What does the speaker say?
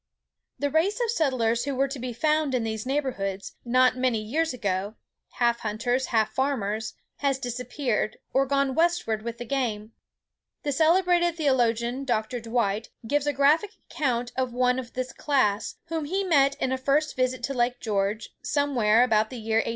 The race of settlers who were to be found in these neighbourhoods not many years ago—half hunters, half farmers—has disappeared, or gone westward with the game. The celebrated theologian, Dr. Dwight, gives a graphic account of one of this class, whom he met in a first visit to Lake George, somewhere about the year 1800.